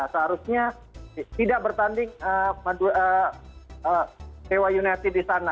seharusnya tidak bertanding dewa united di sana